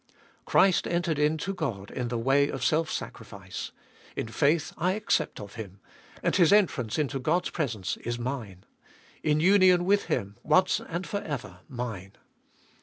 Christ entered in to God in the way of self sacrifice ; in faith I accept of Him, and His entrance into God's presence is mine ; in union with Him, once and for ever mine.